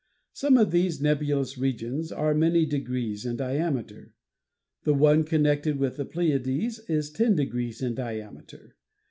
Some of these nebulous regions are many degrees in diameter. The one connected with the Pleiades is ten degrees in diameter.